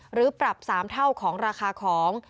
หรือปรับ๓เท่าของราคาของ